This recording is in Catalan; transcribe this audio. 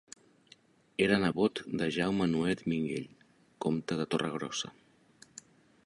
Era nebot de Jaume Nuet Minguell, comte de Torregrossa.